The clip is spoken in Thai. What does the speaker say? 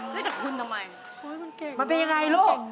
มันเป็นยังไงลูก